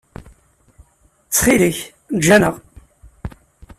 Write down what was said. Ttxil-k, eǧǧ-aneɣ.